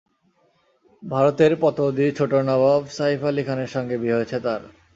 ভারতের পতৌদির ছোট নবাব সাইফ আলী খানের সঙ্গে বিয়ে হয়েছে তার।